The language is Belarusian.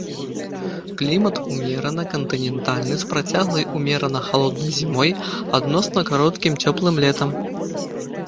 Клімат умерана кантынентальны з працяглай умерана халоднай зімой, адносна кароткім цёплым летам.